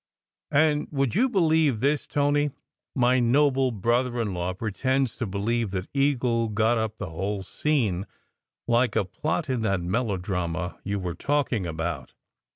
And would you believe this, Tony? My noble brother in law pretends to believe that Eagle got up the whole scene, like a plot in that melodrama you were talking about.